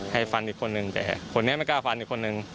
ให้ฟันอีกคนนึงแต่คนนี้ไม่กล้าฟันอีกคนนึง